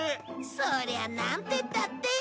そりゃなんてったって。